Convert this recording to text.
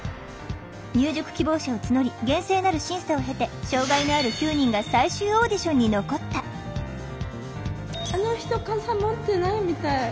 入塾希望者を募り厳正なる審査を経て障害のある９人が最終オーディションに残った「あの人傘持ってないみたい」。